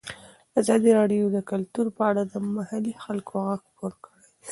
ازادي راډیو د کلتور په اړه د محلي خلکو غږ خپور کړی.